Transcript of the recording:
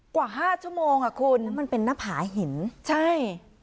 กว่าห้าชั่วโมงอ่ะคุณมันเป็นนักผ่าหินใช่